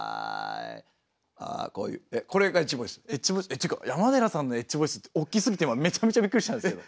っていうか山寺さんのエッジボイス大きすぎて今めちゃめちゃびっくりしたんですけど。